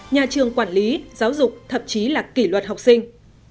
nhà trường quản lý giáo dục thậm chí là kỷ luật học sinh